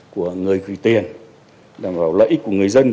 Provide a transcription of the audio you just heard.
của người gửi tiền đảm bảo lợi ích của người dân